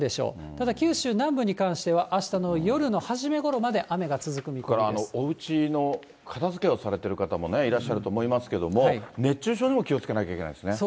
ただ、九州南部に関してはあしたの夜の初めごろまで雨が続く見込これ、おうちの片づけをされてる方もいらっしゃると思いますけども、熱中症にも気をつけなきゃいけないですね。